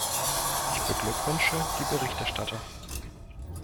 Ich beglückwünsche die Berichterstatter.